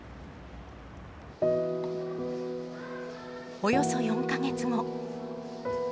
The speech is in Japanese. およそ４か月後。